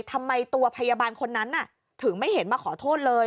ทำไมตัวพยาบาลคนนั้นถึงไม่เห็นมาขอโทษเลย